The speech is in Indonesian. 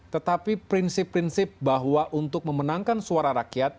tetapi prinsip prinsip bahwa untuk memenangkan suara rakyat